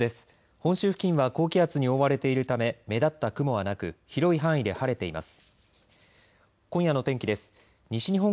本州付近は高気圧に覆われているため目立った雲はなく広い範囲で晴れています。